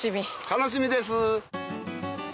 楽しみです。